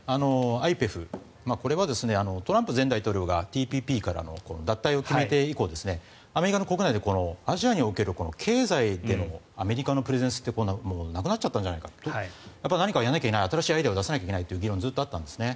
ＩＰＥＦ、これはトランプ前大統領がＴＰＰからの脱退を決めて以降アメリカの国内でアジアにおける経済というののアメリカのプレゼンスってもうなくなっちゃったんじゃないかと何かやらないといけない新しいアイデアを出さないといけないという議論がずっとあったんですね。